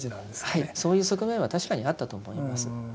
はいそういう側面は確かにあったと思います。